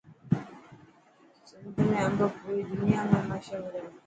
سنڌ ۾ امب پوري دنيا ۾ مشهور هي.